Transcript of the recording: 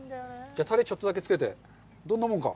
タレをちょっとだけつけて、どんなもんか。